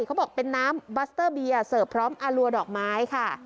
เขาบอกเป็นน้ำบัสเตอร์เบียร์เสิร์ฟพร้อมอารัวดอกไม้ค่ะ